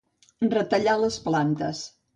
Retallar les plantes.